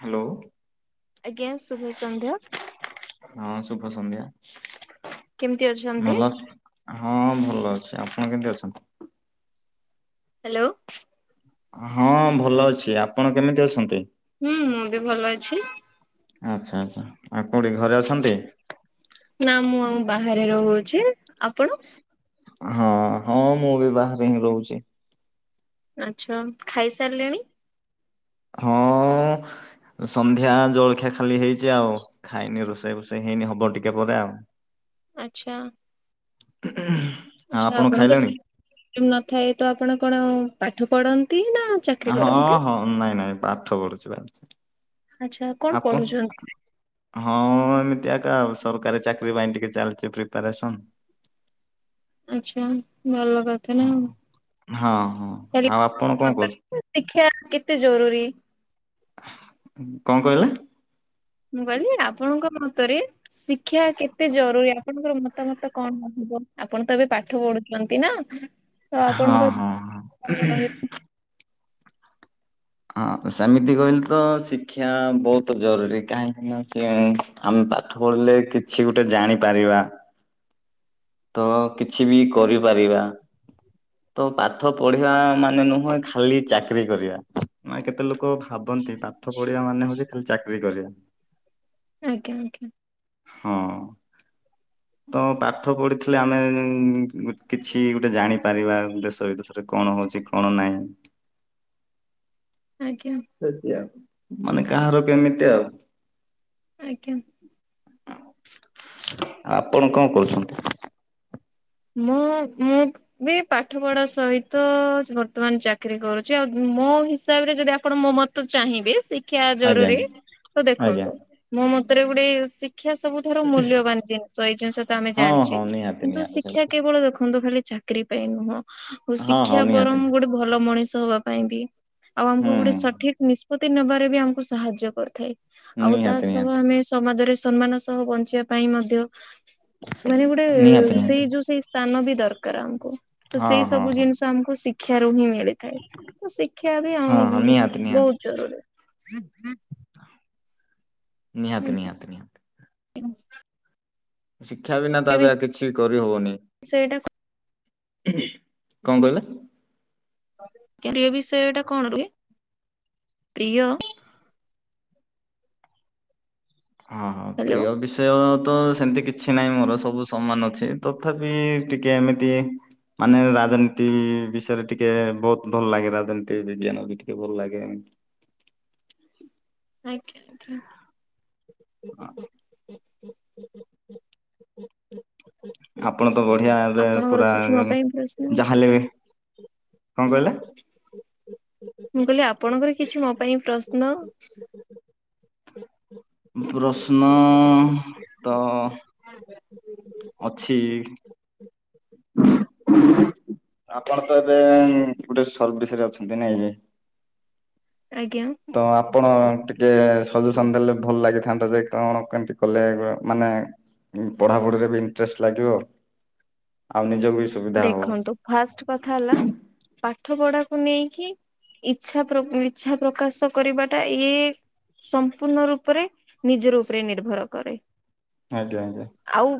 Hello. ଆଜ୍ଞା ଶୁଭ ସନ୍ଧ୍ୟା। ହଁ ସୁଭ ସନ୍ଧ୍ୟା। କେମିତି ଅଛନ୍ତି? ନଲ ହଁ ଭଲ ଅଛି। ଆପଣ କେମତି ଅଛନ୍ତି? ହ୍ୟାଲୋ। ହଁ ଭଲ ଅଛି ଆପଣ କେମିତି ଅଛନ୍ତି? ହୁଁ ମୁଁ ବି ଭଲ ଅଛି। ଆଚ୍ଛା ଆଚ୍ଛା ଆଉ କୋଉଠି ଘରେ ଅଛନ୍ତି? ନା ମୁଁ ଆଉ ବାହାରେ ରହୁଛି। ଆପଣ? ହଁ ହଁ ମୁଁ ବି ବାହାରେ ହିଁ ରହୁଛି। ଆଛା ଖାଇସାରିଲେଣି? ହଁ ସନ୍ଧ୍ୟା ଜଳଖିଆ ଖାଲି ହେଇଛି ଆଉ। ଖାଇନି। ରୋଷେଇ ଫୋଷେଇ ହେଇନି ହବ ଟିକେ ପରେ ଆଉ। ଆଛା [unintelligible] ଆଚ୍ଛା ଆପଣଙ୍କ ଖାଇଲେଣି? [unintelligible] ନଥାଏ ତ ଆପଣ କଣ ପାଠ ପଢନ୍ତି ନା ଚାକିରି ହଁ କରନ୍ତି? ହଁ ନାଇଁ ନାଇଁ ପାଠ ପଢୁଛି ବା। ଆଚ୍ଛା କଣ ଆପଣ ପଢୁଛନ୍ତି? ହଁ ଏମିତି ଆକା ଆଉ ସରକାର ଚାକିରି ପାଇଁ ଟିକେ ଚାଲିଛି ପ୍ରିପାରେସନ୍। ଆଛା ଭଲ କଥ ଥା ହଁ ହଁ ନାଁ ଆଉ ଆପଣ କଣ କରୁ [unintelligible] ଶିକ୍ଷା କେତେ ଜରୁୀରି। କଣ କହିଲ? ମୁଁ କହିଲି ଆପଣଙ୍କ ମନ୍ତରେ ଶିକ୍ଷା କେତେ ଜରୁରୀ ଆପଣଙ୍କର ମତାମତ କଣ ହବ? ଆପଣ ତ ଏବେ ପାଠ ପଢୁଛନ୍ତି ନା। ତ ହଁ ଆପଣଙ୍କ ହଁ ହଁ। [unintelligible] ଅଁ ସେମିତି କହିଲେ ତ ଶିକ୍ଷା ବହୁତ ଜରୁରୀ। କାହିଁକିନା ସେ ଆମେ ପାଠ ପଢିଲେ କିଛି ଗୋଟେ ଜାଣିପାରିବା। ତ କିଛି ବି କରିପାରିବା। ତ ପାଠ ପଢିବା ମାନେ ନୁହେଁ ଖାଲି ଚାକିରୀ କରିବା। ମାନେ କେତେ ଲୋକ ଭାବନ୍ତି ପାଠ ପଢିବା ମାନେ ହଉଛି ଖାଲି ଚାକିରି କରିବା। ଆଜ୍ଞା ଆଜ୍ଞା ହଁ ତ ପାଠ ପଢିଥିଲେ ଆମେ ଉ କିଛି ଗୋଟେ ଜାଣିପାରିବା। ଦେଶ ବିଦେଶରେ କଣ ହଉଛି କଣ ନାହିଁ। ଆଜ୍ଞା ମାନେ କାହାର କେମିତି ଆଉ ଆଜ୍ଞା ଆଁ ଆପଣ କଣ କରୁଛନ୍ତି? ମୁଁ ମୁଁ ବି ପାଠ ପଢା ସହିତ ବର୍ତ୍ତମାନ ଚାକିରୀ କରୁଛି। ଆଉ ମୋ ହିସାବରେ ଯଦି ଆପଣ ମୋ ମତ ତ ଚାହିଁବେ ଶିକ୍ଷା ଆଜ୍ଞା ଜରୁରୀ। ଆଜ୍ଞା। ତ ଆଜ୍ଞା। ଦେଖନ୍ତୁ ମୋ ମତରେ ଗୋଟେ ଶିକ୍ଷା ସବୁ ଠାରୁ ମୂଲ୍ୟବାନ ଜିନିଷ। ଏଇ ଜିନିଷ ତ ଆମେ ହଁ ଜାଣିଛେ ହଁ ନିହାତି କିନ୍ତୁ ନିହାତି ଶିକ୍ଷ ସେଇଟା କେବଳ ଦେଖନ୍ତୁ ଖାଲି ଚାକିରି ପାଇଁ ନୁହଁ ଆଉ ତ ହଁ ହଁ ଶିକ୍ଷା ନିହାତି ବରଂ ନିହାତି ଗୋଟେ ଭଲ ମଣିଷ ହବା ପାଇଁ ବି ଆଉ ଆମକୁ ହୁଁ ଗୋଟେ ସଠ ହୁଁ ଠିକ୍ ନିଷ୍ପତି ନେବାରେ ବି ଆମକୁ ସାହାଯ୍ୟ କରିଥାଏ। ଆଉ ତା ନିହାତି ସହ ନିହାତି। ଆମେ ସମାଜରେ ସମ୍ମାନ ସହ ହ ବଞ୍ଚିବା ପାଇଁ ମଧ୍ୟ ମାନେ ଗୋଟେ ନିହାତି ତ ନିହାତି ଯୋଉ ସେଇ ସ୍ଥାନ ବି ଦରକାର ଆମକୁ। ତ ହଁ ସେଇ ହଁ ସବୁ ହଁ ଜିନିଷ ଆମକୁ ଶିକ୍ଷାରୁ ହିଁ ମିଳିଥାଏ। ତ ଶିକ୍ଷା ବି ହଁ ହଁ ଆଉ ନିହାତି ବହୁତ ନିହାତି ଜରୁରୀ। ନିହାତି ଆଜ୍ଞା। ନିହାତି ନିହା [unintelligible] ଶିକ୍ଷା ବିନା ତ ଏବେ ଆଉ କିଛି ବି କରିହବନି। ସେଇଟା କଣ କହିଲେ? [unintelligible] ବିଷୟ ଟା କଣ କି? ପ୍ରିୟ ହଁ ହଁ ହ୍ୟାଲୋ ପ୍ରିୟ ବିଷୟ ତ ସେମତି କିଛି କିଛି ନାହିଁ ମୋର ସବୁ ସମାନ ଅଛି। ତଥାପି ଟିକେ ଏମିତି ମାନେ ରାଜନୀତି ବିଷୟରେ ଟିକେ ବହୁତ ଭଲ ଲାଗେ, ରାଜନୀତି ବିଜ୍ଞାନ ବି ଟିକେ ଭଲ ଲାଗେ। ଆଜ୍ଞା-ଆଜ୍ଞା। ହଁ। ଆପଣ ତ ବଢିଆରେ ଆପଣଙ୍କର ପୁରା କିଛି ମୋ ପାଇଁ ପ୍ରଶ୍ନ? ଯାହାଲେ ବି କଣ କହିଲେ? ମୁଁ କହିଲି ଆପଣଙ୍କର କିଛି ମୋ ପାଇଁ ପ୍ରଶ୍ନ? ପ୍ରଶ୍ନ ତ [unintelligible] ଅଛି। ଆପଣ ତ ଏବେ ଗୋଟେ ସର୍ଭିସ୍ ରେ ଅଛନ୍ତି ନାଇଁକି? ଆଜ୍ଞା। ତ ଆପଣ ଟିକେ ସଜେସନ୍ ଦେଲେ ଭଲ ଲାଗିଥାନ୍ତା ଯେ କଣ କେମତି କଲେ ମାନେ ପଢାପଢିରେ ବି ଇଣ୍ଟରେଷ୍ଟ ଲାଗିବ ଆଉ ନିଜକୁ ବି ସୁବିଧା ହବ। ଦେଖନ୍ତୁ ଫାଷ୍ଟ କଥା ହେଲା ପାଠପଢାକୁ ନେଇକି ଇଚ୍ଛା-ଇଚ୍ଛା ପ୍ରକାଶ କରିବାଟା ଇଏ ସମ୍ପୂର୍ଣ୍ଣ ରୂପରେ ନିଜର ଉପରେ ନିର୍ଭର କରେ। ଆଜ୍ଞା-ଆଜ୍ଞା। ଆଉ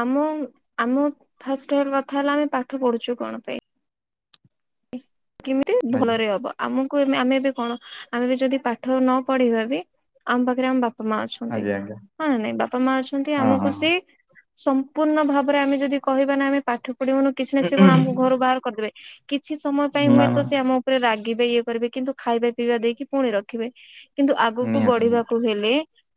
ଆମ ଆମ ଫାଷ୍ଟ କଥା ହେଲା ଆମେ ପାଠ ପଢୁଛୁ କଣ ପାଇଁ। କେମିତି ଆଜ୍ଞା ଭଲରେ ହବା। ଆମକୁ ଏ ଆମେ ଏବେ କଣ ଆମେ ବି ଯଦି ପାଠ ନ ପଢିବା ବି ଆମ ପାଖରେ ଆମ ବା ପା ମା ଅଛନ୍ତି ଆଜ୍ଞା ଆଜ୍ଞା ହଁ ନା ନାଇଁ, ବାପା ମା ଅଛନ୍ତି ହଁ ଆମକୁ ହଁ ହଁ ସେ ସମ୍ପୂର୍ଣ୍ଣ ଭାବରେ ଆମେ ଯଦି କହିବା ନା ଆମେ ପାଠ ପଢିବନୁ କିଛି ନା ସେ କଣ ଆମକୁ ଘରୁ ବାହାର କରିଦେବେ। କିଛି ସମୟ ପାଇଁ ନା ନା ହୁଏତ ସେ ଆମ ଉପରେ ରାଗିବେ ଇଏ କରିବେ କିନ୍ତୁ ଖାଇବା ପିଇବା ଦେଇକି ପୁଣି ରଖିବେ। କିନ୍ତୁ ଆଗକୁ ନିହାତି ନିହାତି ବଢିବାକୁ ହେଲେ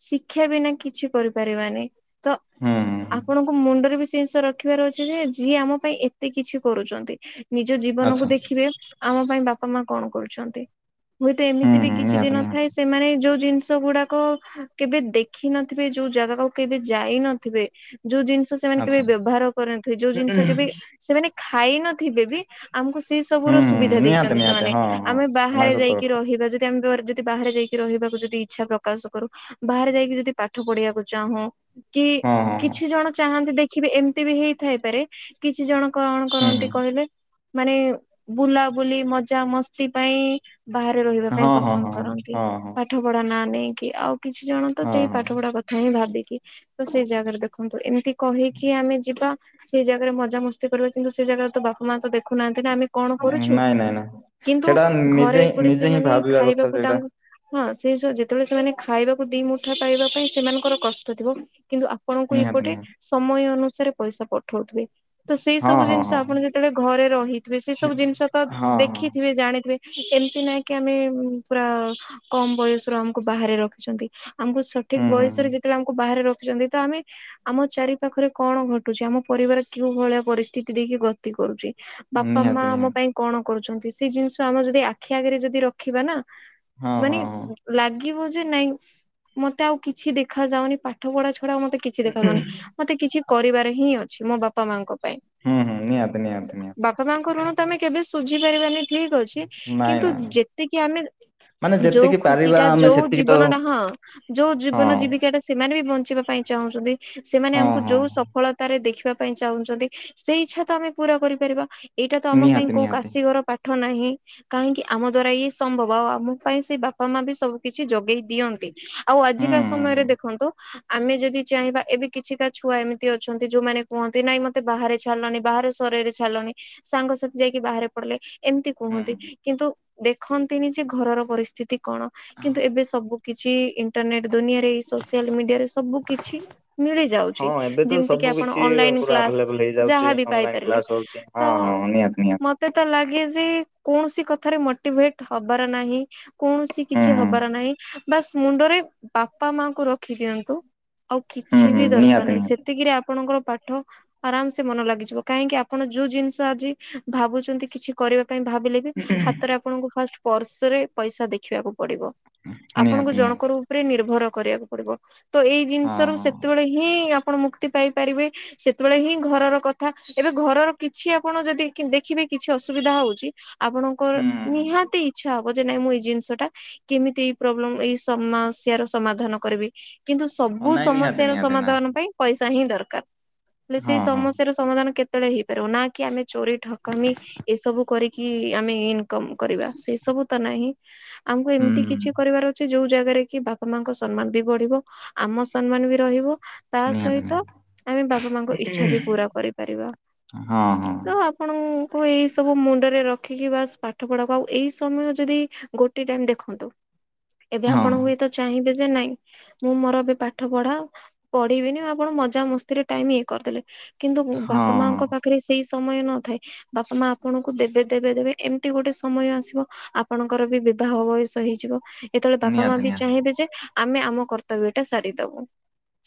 ଶିକ୍ଷା ବିନା କିଛି କରିପାରିବାନି। ତ ହୁଁ ହୁଁ ହୁଁ ଆପଣ ଙ୍କ ମୁଣ୍ଡରେ ବି ସେ ଜିନିଷ ରଖିବାର ଅଛି ଯେ, ଯିଏ ଆମ ପାଇଁ ଏତେ କିଛି କରୁଚନ୍ତି ନି ନିଜ ଜୀବନକୁ ଆଚ୍ଛା ଦେଖିବେ ଆମ ପାଇଁ ବାପା ମା କଣ କରୁଛନ୍ତି। ହୁଏ ତ ହୁଁ ଏମିତି ବି ହୁଁ କିଛି ନିହାତି ଦିନ ନିହାତି ଥାଏ ସେମାନେ ଯୋଉ ଜିନିଷ ଗୁଡାକ କେବେ ଦେଖି ନଥିବେ, ଯୋଉ ଜାଗାକୁ କେବେ ଯାଇ ନଥିବେ ଯୋଉ ଜିନିଷ ସେମାନେ କେବେ ଆଚ୍ଛା। ବ୍ୟବହାର କରିନଥିବେ, ଯୋଉ ଜିନିଷ କେବେ ସେମାନେ ଖାଇନଥିବେ ବି ଆମକୁ ସେ ସବୁର ହୁଁ ହୁଁ ସୁବିଧା ନିହାତି ଦେଇଛନ୍ତି ନିହାତି ସେମାନେ, ହଁ ହଁ ଆମେ ନାଇଁ ବାହାରେ ସତ ଯାଇକି କଥା ରହିବା ଯଦି ଆମେ ଯଦି ବାହାରେ ଯାଇକି ରିହିବାକୁ ଯଦି ଇଚ୍ଛା ପ୍ରକାଶ କରୁ ବାହାରେ ଯାଇକି ଯଦି ପାଠ ପଢିବାକୁ ଚାହୁଁ କି ହଁ ହଁ ହଁ କିଛି ଜଣ ଚାହାନ୍ତି ଦେଖିବେ ଏମିତି ବି ହେଇଥାଇପାରେ କିଛି ଜଣ କଣ ହୁଁ କରନ୍ତି ହୁଁ। କହିଲେ ମାନେ ବୁଲାବୁଲି ମଜା ମସ୍ତି ପାଇଁ ବାହାରେ ରହିବା ହଁ ପାଇଁ ହଁ ପସନ୍ଦ ହଁ କରନ୍ତି ହଁ ହଁ ପାଠ ପଢା ନା ନେଇକି ଆଉ କିଛି ଜଣ ତ ହଁ ସେଇ ହଁ ପାଠ ପଢା କ ଥରେ ଭାବିକି ତ ସେଇ ଜାଗାରେ ଦେଖନ୍ତୁ ଏମ୍ତି କହିକି ଆମେ ଯିବା। ସେଇ ଜାଗାରେ ମଜା ମସ୍ତି କରିବା, କିନ୍ତୁ ସେଇ ଜାଗାରେ ତ ବାପ ମା ତ ଦେଖୁନାହାନ୍ତି ନା ଆମେ କଣ କରୁଛୁ ନାଇଁ ନାଇଁ ନାଇଁ କିନ୍ତୁ ସେଟା ନିଜେ ଘରେ ହିଁ- ଏପଟେ ନିଜେ ହିଁ ସେମାନେ ଭାବିବା କଥା ଖାଇବାକୁ ସେଇଟା ତାଙ୍କୁ ହଁ [unintelligible] ଯେତେବେଳେ ସେମାନେ ଖାଇବାକୁ ଦି ମୁଠା ପାଇବା ପାଇଁ ସେମାନଙ୍କର କଷ୍ଟ ଥିବ କିନ୍ତୁ ଆ ପଣଙ୍କୁ ନିହାତି ଏପଟେ ନିହାତି ସମୟ ଅନୁସାରେ ପଇସା ପଠଉଥିବେ। ତ ସେଇ ହଁ ସବୁ ହଁ ଜିନିଷ ହଁ। ଆପଣ ଯେତେବେଳେ ଘରେ ରହିଥିବେ ସେଇ ସେ ସବୁ ଜିନିଷ ତ ହଁ ହଁ ଦେଖି ଥିବେ ଜାଣିଥିବେ ଏମିତି ନାହିଁ କି ଆମେ ପୁରା କମ୍ ବୟସରୁ ଆମକୁ ବାହାରେ ରଖିଛନ୍ତି। ଆମକୁ ସଠିକ୍ ହୁଁ ହୁଁ ହୁଁ ବୟସରେ ଯେତେବେଳେ ଆମକୁ ବାହାରେ ରଖିଛନ୍ତି ତ ଆମେ ଆମ ଚାରିପାଖରେ କଣ ଘଟୁଛି, ଆମ ପରିବାର କେଉଁ ଭଳିଆ ପରିସ୍ଥିତି ଦେଇକି ଗତି କରୁଚି ବାପା ମା ନିହାତି ଆମ ନିହାତି ପାଇଁ କଣ କରୁଛନ୍ତି, ସେଇ ଜିନିଷ ଆମେ ଯଦି ଆଖି ଆଗରେ ଯଦି ରଖିବା ନା ହଁ ମାନେ ହଁ ହଁ। ଲାଗିବ ଯେ ନାଇଁ ମତେ ଆଉ କିଛି ଦେଖାଯାଉନି ପାଠପଢା ଛଡା ମତେ କିଛି ଦେଖାଯାଉନି, ମତେ କିଛି କରିବାରେ ହିଁ ଅଛି ମୋ ବାପା ମାଙ୍କ ପାଇଁ। ହୁଁ-ହୁଁ ନିହାତି-ନିହାତି-ନିହାତି। ବାପା ମାଙ୍କ ଋଣ ତ ଆମେ କେବେ ସୁୁଝି ପାରିବାନି ଠିକ୍ ଅଛି, ନାଇଁ କିନ୍ତୁ ନାଇଁ ନାଇଁ। ଯେତିକି ଆମେ ମାନେ ଯୋଉ ଯେତିକି ଖୁସି ପାରିବା ଟା ଆମେ ଯୋଉ ସେତିକି ତ ଜୀବନଟା ହଁ ଯୋଉ ଜୀବନ ଜୀବିକା ଟା ସେମାନେ ବି ବଞ୍ଚିବା ପାଇଁ ଚାହୁଁଛନ୍ତି। ସେମାନେ ହଁ ଆମକୁ ହଁ ଯୋଉ ସ ଫଳତାରେ ଦେଖିବା ପାଇଁ ଚାହୁଁଛନ୍ତି ସେଇ ଇଚ୍ଛା ତ ଆମେ ପୁରା କରିପାରିବା। ଏଇଟା ତ ଆମ ପାଇଁ ନିହାତି କୋଉ ନିହାତି କାଶିଘର ପାଠ ନାହିଁ। କାହିଁକି ଆମ ଦ୍ଵାରା ଇଏ ସମ୍ଭବ ଆଉ ଆମ ପାଇଁ ସେ ବାପା ମା ବି ସବୁ କିଛି ଯୋଗେଇ ଦିଅନ୍ତି। ଆଉ ହୁଁ ଆଜିକା ହୁଁ ସମୟରେ ହୁଁ ଦେଖନ୍ତୁ ଆମେ ଯଦି ଚାହିଁବା ଏବେ କିଛି ଟା ଛୁଆ ଏମିତି ଅଛନ୍ତି ଯୋଉମାନେ କୁହନ୍ତି ନାଇଁ ମତେ ବାହାରେ ଛାଡଲନି ବାହାରେ ଶରେଇରେ ଛାଡଲନି ସାଙ୍ଗସାଥି ଯାଇକି ବାହାରେ ପଡିଲେ ଏମିତି ହୁଁ। କୁହନ୍ତି କିନ୍ତୁ ଦେଖନ୍ତିନି ଯେ ଘରର ପରିସ୍ଥିତି କଣ। କିନ୍ତୁ ଏବେ ସବୁ କିଛି ଇଣ୍ଟରନେଟ ଦୁନିଆ ହେଇ ସୋସିଆଲ ମିଡିଆରେ ସବୁ କିଛି ହଁ ମିଳିଯାଉଛି। ଯେମିତିକି ଆପଣ ଅନଲାଇନ କ୍ଲାସ୍ ନେଇଯାଉଛି ଅନଲାଇ କ୍ଲାସ ହଉଛି। ହଁ ହଁ ତ ନିହାତି ନିହାତି। ମତେ ତ ଲାଗେ ଯେ କୌଣସି କଥାରେ ମୋଟିଭେଟ ହବାର ନାହିଁ। କୌଣସି ହୁଁ କିଛି ହୁଁ ହବାର ନାହିଁ ବାସ୍ ମୁଣ୍ଡରେ ବାପା ମାଙ୍କୁ ରଖିଦିଅନ୍ତୁ। ଆଉ ହୁଁ କିଛି ହୁଁ ବି ଦରକାର ନିହାତି ନାହିଁ। ସେ ନିହାତି। ତିକିରେ ଆପଣଙ୍କର ପାଠ ଆରାମ ସେ ମନ ଲାଗିଯିବ କାହିଁକି ଆପଣ ଯୋଉ ଜିନିଷ ଆଜି ଭାବୁଛନ୍ତି କିଛି କରିବା ପାଇଁ ଭାବିଲେ ବି ହାତରେ ଆପଣଙ୍କୁ ଫାଷ୍ଟ ପର୍ସରେ ପଇସା ଦେଖିବାକୁ ପଡିବ। ଆପଣଙ୍କୁ ନିହାତି ଜଣ ନିହାତି କରୁ ଉପରେ ନିର୍ଭର କରିବାକୁ ପଡିବ ତ ଏଇ ଜିନିଷ ହଁ ର ହଁ ସେତେବେଳେ ହି ହିଁ ଆପଣ ମୁକ୍ତି ପାଇପାରିବେ ସେତେବେଳେ ହିଁ ଘରର କଥା ଏବେ ଘରର କିଛି ଆପଣ ଯଦି କି ଦେଖିବେ କିଛି ଅସୁବିଧା ହଉଛି। ଆପଣଙ୍କର ହୁଁ ହୁଁ ହୁଁ। ନିହାତି ଇଛା ହବ ଯେ ନାଇଁ ମୁଁ ଏଇ ଜିନିଷ ଟା କେମିତି ଏଇ ପ୍ରୋବ୍ଲେ ଏଇ ସମସ୍ୟାର ସମାଧାନ କରିବି। କିନ୍ତୁ ହଁ ସବୁ ନାଇଁ ନିହାତି ସମସ୍ୟା ର ନିହାତି ସମାଧାନ ନିହାତି ପାଇଁ ପଇସା ହିଁ ଦରକାର। ହେଲେ ସେଇ ହଁ ହଁ ସମସ୍ୟାର ସମାଧାନ କେତେବେଳେ ହେଇପାରିବ ନା କି ଆମେ ଚୋରି ଠକାମି ଏସବୁ କରିକି ଆମେ ଇନ୍ କମ୍ କରିବା ସେ ସବୁ ତ ନାହିଁ। ଆମକୁ ହୁଁ ଏମିତି ହୁଁ, କିଛି କରିବାର ଅଛି ଯୋଉ ଜାଗାରେ କି ବାପ ପ ମାଙ୍କ ସମ୍ମାନ ବି ବଢିବ ଆମ ସମ୍ମାନ ବି ରହିବ। ତା ନିହାତି ସହିତ ନିହାତି ଆମେ ବାପା, ମାଙ୍କ ଇଛା ବି ପୁରା କରିପାରିବା। ହଁ ହଁ। ତ ଆପଣଙ୍କୁ ଏଇସବୁ ମୁଣ୍ଡରେ ରଖିକି ବାସ୍ ପାଠ ପଢ଼ାକୁ ଆଉ ଏଇ ସମୟ ଯଦି ଗୋଟେ ଟାଇମ ଦେଖନ୍ତୁ ଏବେ ହଁ ଆପଣ ହୁଏ ତ ଚାହିଁବେ ଯେ ନାଇଁ ମୁଁ ମୋର ଏବେ ପାଠ ପଢା ପଢିବିନି ଆପଣ ମଜା ମସ୍ତିରେ ଟାଇମ ଇଏ କରିଦେଲେ କିନ୍ତୁ ବାପା ମାଙ୍କ ହଁ ପାଖରେ ସେଇ ସମୟ ନଥାଏ। ବାପା ମା ଆପଣଙ୍କୁ ଦେବେ ଦେବେ ଦେବେ ଏମିତି ଗୋଟେ ସମୟ ଆସିବ ଆପଣଙ୍କର ବି ବିବାହ ବୟସ ହେଇଯିବ ଯେତେବେଳେ ବାପା ମା ନିହାତି ବି ନିହାତି ଚାହିଁବେ ଯେ ଆମେ ଆମ କର୍ତ୍ତବ୍ୟ ଟା ସାରିଦବୁ।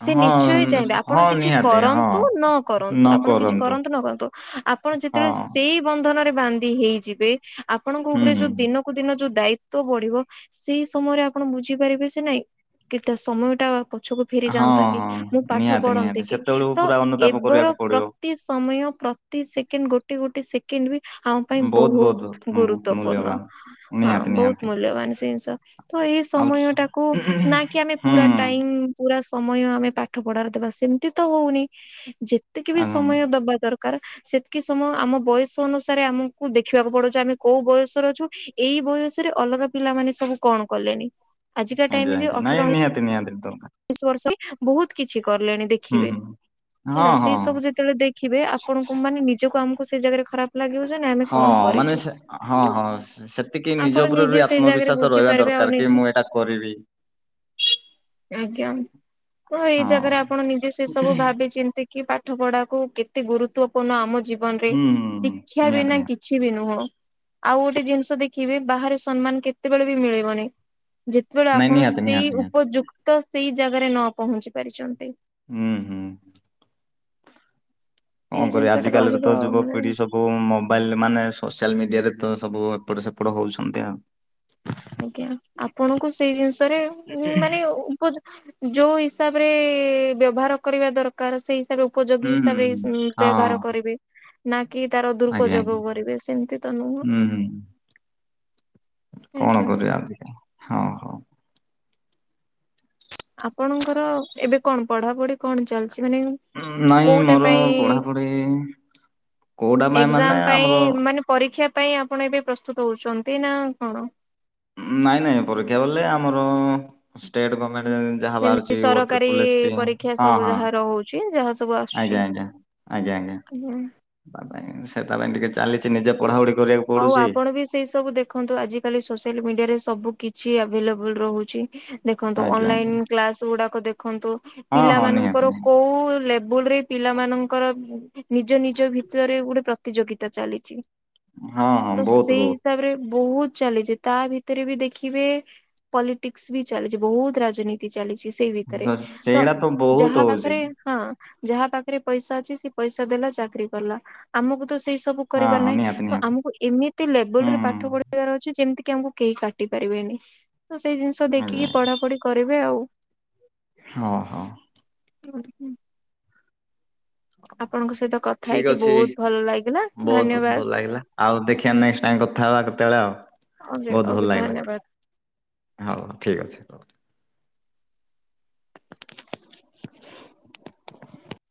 ସେ ହଁ ନିଶ୍ଚୟ ଚାହିଁବେ ଆପଣ ହଁ କିଛି ନିହାତି ହଁ କରନ୍ତୁ ନ କରନ୍ତୁ ଆପଣ କିଛି କରନ୍ତୁ ନ କରନ୍ତୁ ଆପଣ ହଁ ଯେତେବେଳେ ସେଇ ବନ୍ଧନରେ ବାନ୍ଧି ହେଇଯିବେ। ଆପଣଙ୍କ ହୁଁ ଉପରେ ହୁଁ ଯୋଉ ହୁଁ। ଦିନ କୁ ଦିନ ଯୋଉ ଦାୟିତ୍ବ ବଢିବ ସେଇ ସମୟରେ ଆପଣ ବୁଝିପାରିବେ ସେ ନାଇଁ କେତେ ସମୟ ଟା ପଛକୁ ଫେରି ହଁ ଯାଆନ୍ତା କି ହଁ ମୁଁ ପାଠ ନିହାତି ନିହାତି ପଢନ୍ତି କି ସେତେବେଳକୁ ତ ପୁରା ଅନୁତାପ ଏବେର କରିବାକୁ ପଡିବ ପ୍ର ତି ସମୟ ପ୍ରତି ସେକେଣ୍ଡ ଗୋଟେ ଗୋଟେ ସେ କେଣ୍ଡ୍ ବିି ଆମ ପାଇଁ ବହୁତ ଗୁରୁତ୍ୱପୂର୍ଣ୍ଣ। ହଁ ନିହାତି ବହୁତ ନିହାତି ମୂଲ୍ୟବାନ ସେ ଜିନିଷ। ତ ଏଇ ଆଉ ସମୟ ସ- ଟାକୁ ନା କି ଆମେ ହୁଁ ପୁରା ଟାଇମ୍ ପୁରା ସମୟ ଆମେ ପାଠ ପଢାରେ ଦେବା ସେମିତି ତ ହଉନି। ଯେତିକି ବି ଆଜ୍ଞା ସମୟ ଦବା ଦରକାର ସେତିକି ସମୟ ଆମ ବୟସ ଅନୁସାରେ ଆମକୁ ଦେଖିବାକୁ ପଡୁଛି ଆମେ କୋଉ ବୟସରେ ଅଛୁ। ଏଇ ବୟସରେ ଅଲଗା ପିଲାମାନେ ସବୁ କଣ କଲେଣିି। ଆଜ୍ଞା ଆଜ୍ଞା ନାଇ ନିହାତି ନିହାତି ଦରକାର। ଇ ବର୍ଷ ବହୁତ କିଛି କଲେଣି ହୁଁ ଦେଖିବେ। ହୁଁ ହେଲା ହଁ ସେଇ ହଁ ସବୁ ଯେତେବେଳେ ଦେଖିବେ ଆପଣଙ୍କୁ ମାନେ ନିଜକୁ ଆମକୁ ସେଇ ଜାଗାରେ ଖରାପ ଲାଗିବ ଯେ ନାଇ ଆମେ ହଁ କଣ ମାନେ କରିଛୁ ହଁ ହଁ ସେତିକି ନିଜ ଆପଣ ଉପରେ ନିଜେ ବି ସେଇ ଜାଗାରେ ଆତ୍ମବିଶ୍ୱଵାସ ରହିବା ବୁଝିପାରିବେ ଆଉ ଦରକାର କି ନିଜେ ମୁଁ ଏଟା କରିବି। ଆଜ୍ଞା ତ ଏଇ ହଁ ଜାଗାରେ ଆପଣ ନିଜେ ସେ ସବୁ ଭାବି ଚିନ୍ତି କି ପାଠ ପଢାକୁ କେତେ ଗୁରୁତ୍ୱପୂର୍ଣ୍ଣ ଆମ ଜୀବନ ରେ ହୁଁ ହୁଁ ହୁଁ, ଶିକ୍ଷା ନିହାତି ବିନା ନିହାତି କି କିଛି ବି ନୁହଁ ଆଉ ଗୋଟେ ଜିନିଷ ଦେଖିବି ବାହାରେ ସମ୍ମାନ କେତେବେଳେ ବି ମିଳିବନି। ଯେତେବେଳେ ନାଇଁ ଆପଣ ନିହାତି ସେଇ ନିହାତି ନିହାତି ଉପଯୁକ୍ତ ସେଇ ଜାଗାରେ ନ ପହଞ୍ଚି ପାରିଛନ୍ତି। ହୁଁ ହୁଁ। କଣ ଏଇ କରିବି ଜିନିଷ ଆଜ ଟା କାଲିରେ ରହିବ ତ ଆଉ ମନରେ। ଯୁବପିଢି ସବୁ କୋଉ ମୋବାଇଲ ମାନେ ସୋସିଆଲ ମିଡିଆ ରେ ତ ସବୁ ଏପଟ ସେପଟ ହଉଛନ୍ତି ଆଉ। ଆଜ୍ଞା ଆପଣଙ୍କୁ ସେଇ ଜିନିଷରେ ମାନେ ଉପ ଯୋଉ ହିସାବ ରେ ବ୍ୟବହାର କରିବା ଦରକାର ସେଇ ଉପଯୋଗୀ ହୁଁ ହୁଁ ହୁଁ ହିସାବରେ ହଁ ବ୍ୟବହାର କରିବି। ନା କି ତାର ଆଜ୍ଞା ଆଜ୍ଞା ଦୁରୁପଯୋଗ କରିବେ ସେମିତି ତ ନୁହଁ। ହୁଁ ହୁଁ କଣ ଆଜ୍ଞା। କରିବା ହଁ ହଁ। ଆପଣଙ୍କର ଏବେ କଣ ପଢାପଢି କଣ ଚାଲିଛି ମାନେ ନାଇଁ କୋଉଟା ମୋର ପାଇଁ ପଢାପଢି କୋଉଟା ପାଇଁ ମାନେ ଏକ୍ସାମ ପାଇଁ ଆମର ମାନେ ପରୀକ୍ଷା ପାଇଁ ଆପଣ ଏବେ ପ୍ରସ୍ତୁତ ହଉଛନ୍ତି ନା କଣ? ନାଇଁ ନାଇଁ ପରୀକ୍ଷା ବଲେ ଆମର ଷ୍ଟେଟ ଗମେଣ୍ଟ ଯାହା ଯେମିତି ବାହାରୁଛି ଓ ସରକାରୀ ତ୍ରିପଲଏସି ପରୀକ୍ଷା ହଁ ସବୁ ହଁ ଯାହାର ହଉଛି ଯାହା ସବୁ ଆସୁଛି। ଆଜ୍ଞା ଆଜ୍ଞା। ଆଜ୍ଞା ଆଜ୍ଞା ତା ପାଇଁ ସେ ତା ପାଇଁ ଟିକେ ଚାଲିଛି ନିଜେ ପଢାପଢି କରିବାକୁ। ହଉ ପଡୁଛି। ଆପଣ ବି ସେଇ ସବୁ ଦେଖ ଦେଖନ୍ତୁ ଆଜି କାଲି ସୋସିଆଲ ମିଡିଆରେ ସବୁ କିଛି ଆଭେଲେବଲ ରହୁଛି। ଦେଖନ୍ତୁ ଆଜ୍ଞା ଆଜ୍ଞା ଅନଲାଇନ କ୍ଲାସ ଗୁଡାକ ଦେଖନ୍ତୁ ହଁ ପିଲା ହଁ ନିହାତି ମାନଙ୍କର ନିହାତି କୋଉ ଲେବୁଲ ରେ ପିଲା ମାନଙ୍କର ନିଜ ନିଜ ଭିତରେ ଗୋଟେ ପ୍ରତିଯୋଗିତା ଚାଲିଛି। ହଁ ହଁ ତ ବହୁତ ସେଇ ବହୁତ। ହିସାବରେ ବହୁତ ଚାଲିଛି। ତା ଭିତରେ ବି ଦେଖିବେ ପଲିଟିକ୍ସ ବି ଚାଲିଛି ବହୁତ ରାଜନୀ ତି ଚାଲିଛି ସେଇ ତ ଭିତରେ ତ ସେଇଟା ବହୁତ ଯାହା ହଉଛି ପାଖରେ ହଁ। ଯାହା ପାଖରେ ପଇସା ଅଛି ସେ ପଇସା ଦେଲା ଚାକିରରି କଲା। ଆମକୁ ତ ସେଇ ସବୁ ହଁ କରିବାର ହଁ ନାହିଁ। ନିହାତି ତ ନିହାତି ଆମକୁ ଏମିତି ହୁଁ ଲେବୁଲୁ ରେ ହୁଁ। ପାଠ ପଢିବାର ଅଛି। ଯେମିତି କି ଆମକୁ କେହି କାଟି ପାରିବେନି। ତ ସେଇ ଜିନିଷ ଆଜ୍ଞା ଦେଖିକି ପଢାପଢି କରିବେ ଆଉ। ହଁ ହଁ। ହୁଁ ହୁଁ [unintelligible] ସହିତ କଥା ଠିକ ହେଇକି ଅଛି ବହୁତ ଭଲ ଲାଗିଲା ବହୁତ ଧନ୍ୟବାଦ ଭଲ ଲାଗିଲା। ଆଉ ଦେଖିବା ନେକ୍ସଟ୍ ଟାଇମ କଥା ହବା କ ତେଳ ଆଉ ଓଗେ ବହୁତ ଭଲ ଓଗ୍ ଲାଗିଲା ଧନ୍ୟବାଦ। ହଉ ଠିକ୍ ଅଛି ରହୁ ହଁ